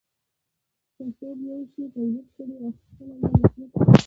که څوک یو شی تولید کړي او پخپله یې مصرف کړي